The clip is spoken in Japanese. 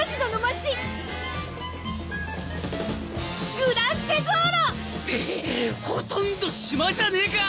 グラン・テゾーロ！ってほとんど島じゃねえか！